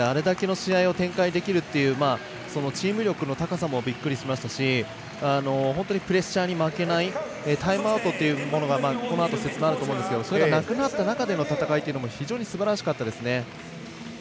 試合を展開できるチーム力の高さもびっくりしましたし本当にプレッシャーに負けないタイムアウトというのがなくなったこのあと説明あると思うんですがそれがなくなったあとでの戦いというのも非常にすばらしかったですね。